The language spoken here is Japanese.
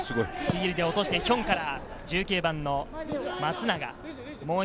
ヒールで落としてヒョンから１９番の松永。